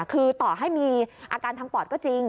คือต่อให้มีอาการทางปอดก็จริง